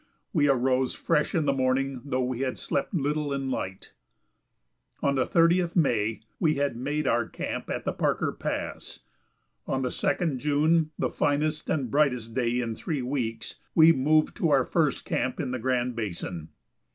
We arose fresh in the morning though we had slept little and light. On the 30th May we had made our camp at the Parker Pass; on the 2d June, the finest and brightest day in three weeks, we moved to our first camp in the Grand Basin.